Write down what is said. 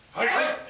はい！